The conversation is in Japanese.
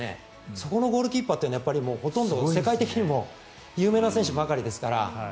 そこのゴールキーパーというのはほとんど世界的にも有名な選手ばかりですから。